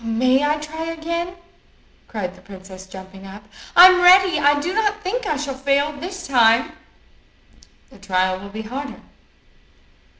"May I try again?" cried the princess, jumping up. "I'm ready. I do not think I shall fail this time." "The trial will be harder."